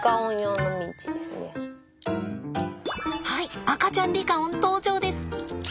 はい赤ちゃんリカオン登場です。